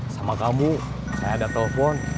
sama kamu saya ada telepon